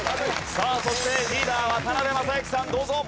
さあそしてリーダー渡辺正行さんどうぞ。